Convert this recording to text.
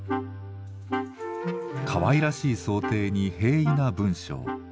かわいらしい装丁に平易な文章。